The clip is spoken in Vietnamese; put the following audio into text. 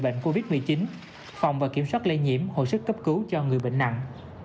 bệnh covid một mươi chín phòng và kiểm soát lây nhiễm hồi sức cấp cứu cho người bệnh nặng